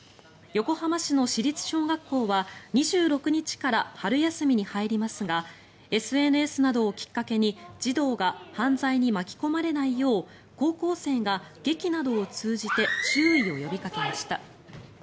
横浜市の市立小学校は２６日から春休みに入りますがＳＮＳなどをきっかけに児童が犯罪に巻き込まれないよう高校生が劇などを通じて注意を呼びかけました。